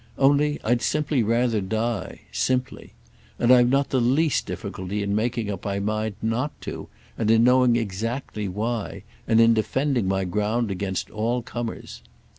Only I'd simply rather die—simply. And I've not the least difficulty in making up my mind not to, and in knowing exactly why, and in defending my ground against all comers.